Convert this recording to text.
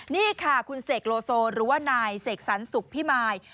นี่ค่ะคุณเสกโลโซหรือว่านายเสกสรรสุขพิมาย